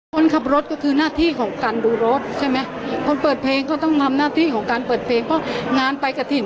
คนขับรถก็คือหน้าที่ของการดูรถใช่ไหมคนเปิดเพลงก็ต้องทำหน้าที่ของการเปิดเพลงเพราะงานไปกระถิ่น